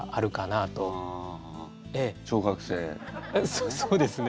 そそうですね。